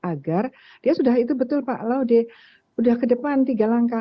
agar dia sudah itu betul pak laude sudah ke depan tiga langkah